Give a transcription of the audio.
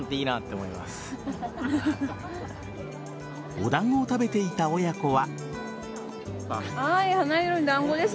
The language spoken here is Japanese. お団子を食べていた親子は。